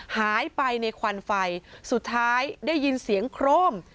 หายไปในควันไฟสุดท้ายได้ยินเสียงโครม